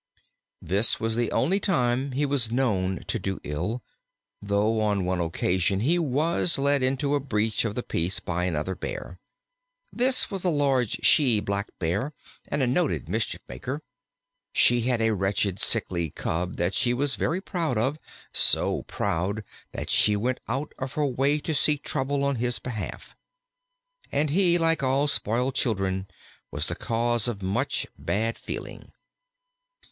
This was the only time he was known to do ill, though on one occasion he was led into a breach of the peace by another Bear. This was a large she Blackbear and a noted mischief maker. She had a wretched, sickly cub that she was very proud of so proud that she went out of her way to seek trouble on his behalf. And he, like all spoiled children, was the cause of much bad feeling.